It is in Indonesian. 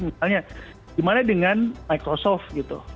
misalnya gimana dengan microsoft gitu